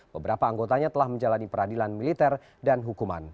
beberapa anggotanya telah menjalani peradilan militer dan hukuman